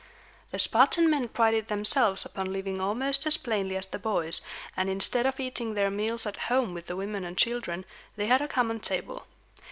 The Spartan men prided themselves upon living almost as plainly as the boys, and, instead of eating their meals at home with the women and children, they had a common table.